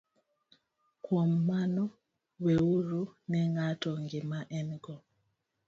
Kuom mano, weuru ne ng'ato gima en - go,